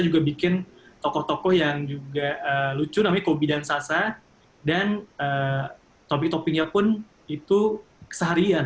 juga bikin tokoh tokoh yang juga lucu namanya kopi dan sasa dan topik toppingnya pun itu seharian